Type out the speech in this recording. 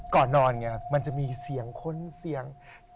ก่อนนอนมันจะมีเสียงคนเสียง